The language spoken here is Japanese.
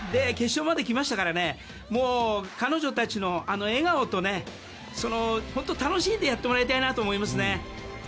決勝まで来ましたから彼女たちの笑顔と楽しんでやってもらいたいなと思いますね。